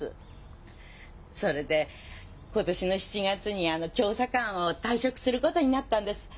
それで今年の７月に調査官を退職することになったんです。